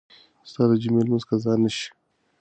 ستا د جمعې لمونځ قضا نه شي.